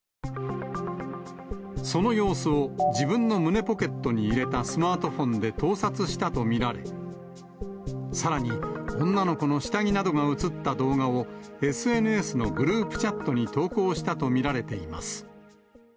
その様子を自分の胸ポケットに入れたスマートフォンで盗撮したと見られ、さらに女の子の下着などが映った動画を、ＳＮＳのグループチャットに投稿したと見られています。